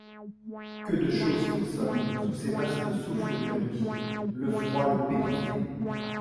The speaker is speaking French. Que de choses frissonnent sous ces vastes souffles de la nuit ! Le froid le pénétrait.